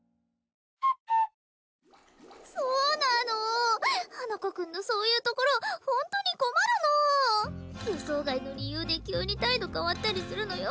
そうなの花子くんのそういうところホントに困るの予想外の理由で急に態度変わったりするのよ